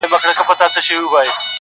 ته له ما جار، زه له تا جار.